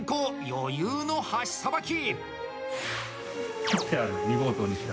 余裕の箸さばき！